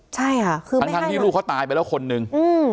ใช่ค่ะคือทั้งที่ลูกเขาตายไปแล้วคนนึง